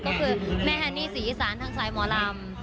ก็คือแม่ฮันนี่ศรีอีสานทางสายหมอลำ